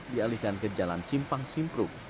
dialihkan ke jalan simpang simpruk